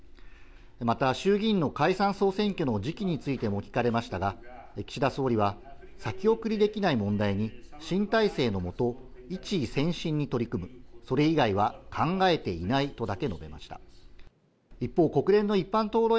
また衆議院の解散総選挙の時期についても聞かれましたが、岸田総理は先送りできない問題に新体制のもと、一意専心に取り組む、それ以外は考えていないとだけ述べました。